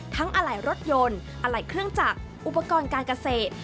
อะไหล่รถยนต์อะไหล่เครื่องจักรอุปกรณ์การเกษตร